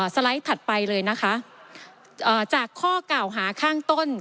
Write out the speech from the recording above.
สไลด์ถัดไปเลยนะคะจากข้อกล่าวหาข้างต้น